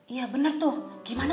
iya bener tuh gimana